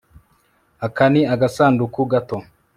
Aka ni agasanduku gato